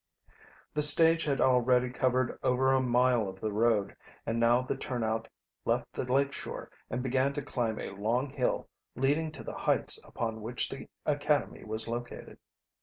The stage had already covered over a mile of the road, and now the turnout left the lake shore and began to climb a long hill leading to the heights upon which the academy was located.